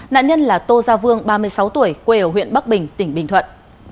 nạn nhân là tô gia vương ba mươi sáu tuổi quê ở huyện bắc bình tỉnh bình thuận